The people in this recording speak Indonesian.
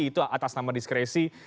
itu atas nama diskresi